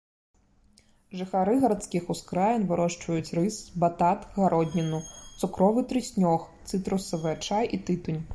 Жыхары гарадскіх ускраін вырошчваюць рыс, батат, гародніну, цукровы трыснёг, цытрусавыя, чай і тытунь.